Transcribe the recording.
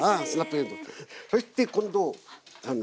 そして今度あの。